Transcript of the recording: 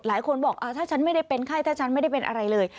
หลายคนบอกถ้าฉันไม่ได้เป็นไข้ถ้าฉันไม่ได้เป็นอะไรเลย